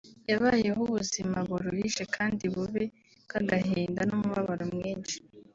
yabayeho ubuzima buruhije kandi bubi bw’agahinda n’umubabaro mwinshi